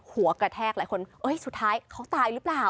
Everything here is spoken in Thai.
หัวกระแทกหลายคนสุดท้ายเขาตายหรือเปล่า